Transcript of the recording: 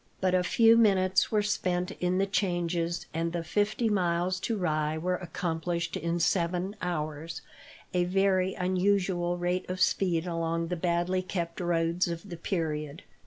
But a few minutes were spent in the changes, and the fifty miles to Rye were accomplished in seven hours a very unusual rate of speed along the badly kept roads of the period.